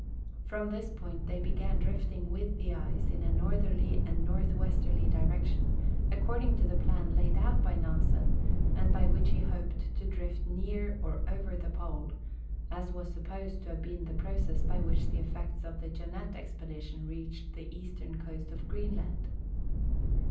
From this point they began drifting with the ice in a northerly and north westerly direction, according to the ])lan laid out by Nansen, and by which he hoped to drift near or over the Pole, as was supposed to have l)een the ))rocess by which the effects of the Jeannette ex[)edition reached the eastern coast of (Treenland.